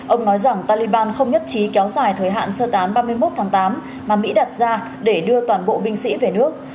ông nói rằng taliban không nhất trí kéo dài thời hạn sơ tán ba mươi một tháng tám mà mỹ đặt ra để đưa toàn bộ binh sĩ về nước